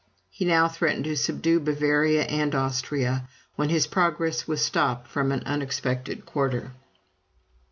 He now threatened to subdue Bavaria and Austria, when his progress was stopped from an unexpected quarter.